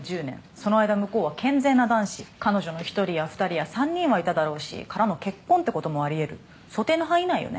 その間向こうは健全な男子彼女の１人や２人や３人はいただろうしからの結婚ってこともありえる想定の範囲内よね